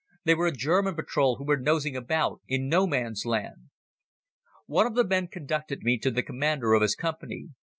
They were a German patrol who were nosing about in No Man's Land. "One of the men conducted me to the Commander of his Company.